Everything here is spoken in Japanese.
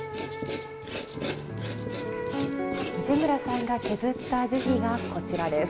藤村さんが削った樹皮がこちらです。